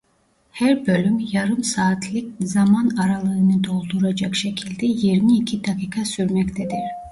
Her bölüm yarım saatlik zaman aralığını dolduracak şekilde yirmi iki dakika sürmektedir.